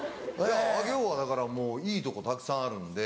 上尾はだからもういいとこたくさんあるんで。